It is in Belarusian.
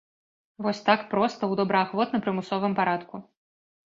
Вось так проста, у добраахвотна-прымусовым парадку.